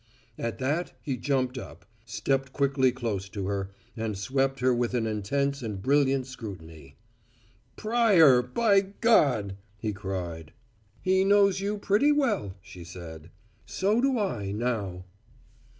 At that he jumped up, stepped quickly close to her, and swept her with an intense and brilliant scrutiny. "Pryor, by God!" he cried. "He knows you pretty well," she said. "So do I now!"